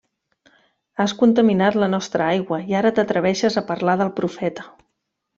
Has contaminat la nostra aigua i ara t'atreveixes a parlar del Profeta.